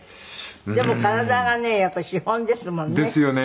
でも体がねやっぱり資本ですもんね。ですよね。